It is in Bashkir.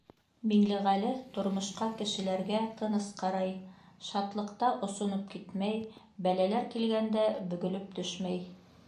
Миңлеғәле тормошҡа, кешеләргә тыныс ҡарай: шатлыҡта осоноп китмәй, бәләләр килгәндә бөгөлөп төшмәй.